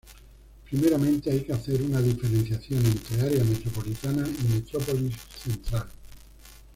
Primeramente hay que hacer una diferenciación entre área metropolitana y metrópolis central.